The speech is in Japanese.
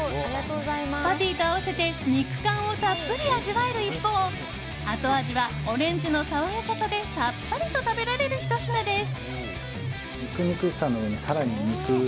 パティと合わせて肉感をたっぷり味わえる一方後味はオレンジの爽やかさでさっぱりと食べられるひと品です。